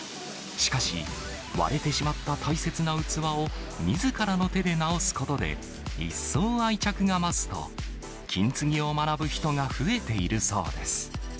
しかし、割れてしまった大切な器を、みずからの手で直すことで、一層愛着が増すと、金継ぎを学ぶ人が増えているそうです。